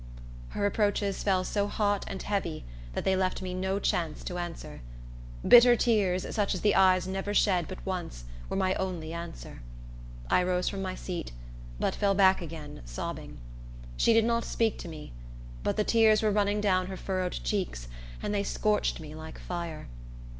Her reproaches fell so hot and heavy, that they left me no chance to answer. Bitter tears, such as the eyes never shed but once, were my only answer. I rose from my seat, but fell back again, sobbing. She did not speak to me; but the tears were running down her furrowed cheeks, and they scorched me like fire.